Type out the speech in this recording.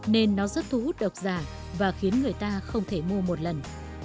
nên nó rất thu hút độc giả và khiến người ta không thể mua một lần